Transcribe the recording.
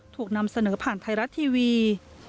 ถูกนำเสนอผ่านไทยรัฐทีวี